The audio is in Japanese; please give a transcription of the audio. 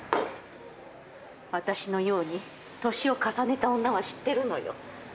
私のように年を重ねた女は知ってるのよ。